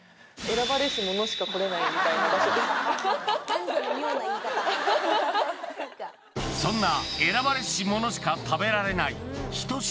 何それそんな選ばれし者しか食べられない